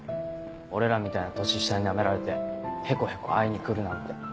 俺らみたいな年下にナメられてヘコヘコ会いに来るなんて。